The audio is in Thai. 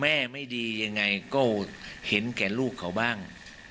ไม่ดียังไงก็เห็นแก่ลูกเขาบ้าง